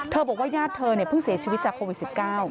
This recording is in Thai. บอกว่าญาติเธอเพิ่งเสียชีวิตจากโควิด๑๙